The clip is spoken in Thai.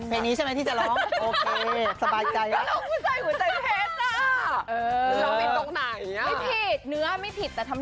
เพลงนี้ใช่ไหมที่จะร้องโอเคสบายใจอะ